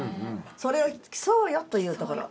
それを「来さうよ」というところ。